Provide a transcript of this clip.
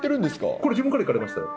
これ、自分からいかれましたよ。